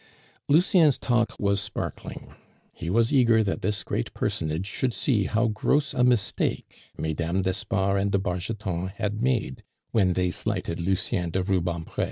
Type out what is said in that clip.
Lucien's talk was sparkling. He was eager that this great personage should see how gross a mistake Mesdames d'Espard and de Bargeton had made when they slighted Lucien de Rubempre.